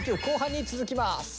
後半に続きます！